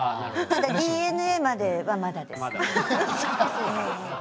ただＤＮＡまではまだです。